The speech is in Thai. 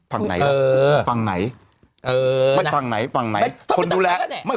ฝั่งไหนเออฝั่งไหนเออไม่ฝั่งไหนฝั่งไหนคนดูแลไม่